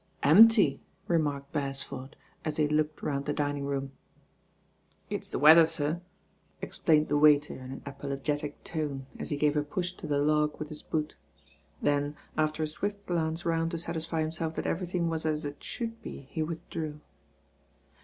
"Empty!" remarked Beresford at he looked round the dining room. "It's the weather, sir," explained the waiter m an apologetic tone, as he gave a push to the log with his boot; then, aft^r a swift glance round to satisfy himself that everything was as it should be, he with drew.